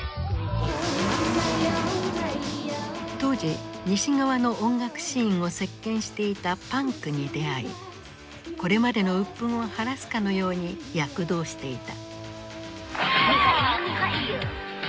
当時西側の音楽シーンを席巻していたパンクに出会いこれまでの鬱憤を晴らすかのように躍動していた。